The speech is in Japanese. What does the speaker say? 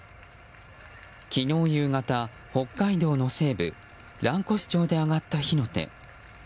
昨日夕方、北海道の西部蘭越町で上がった火の手。